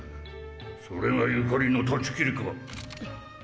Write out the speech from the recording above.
それが所縁の断ち切りか。